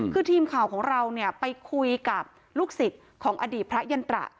คือทีมข่าวของเราเนี่ยไปคุยกับลูกศิษย์ของอดีตพระยันตระ